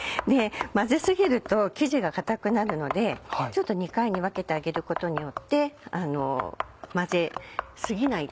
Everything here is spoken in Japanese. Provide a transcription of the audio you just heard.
混ぜ過ぎると生地が硬くなるので２回に分けてあげることによって混ぜ過ぎないっていう。